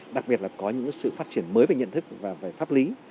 đặc biệt là có những sự phát triển mới về nhận thức và về pháp lý